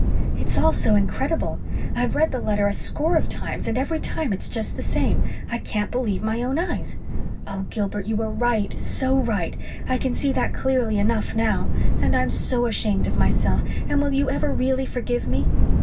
It's all so incredible. I've read the letter a score of times and every time it's just the same I can't believe my own eyes. Oh, Gilbert, you were right so right. I can see that clearly enough now and I'm so ashamed of myself and will you ever really forgive me?"